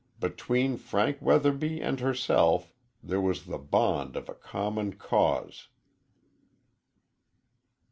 Between Frank Weatherby and herself there was the bond of a common cause.